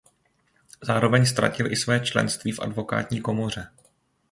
Zároveň ztratil i své členství v advokátní komoře.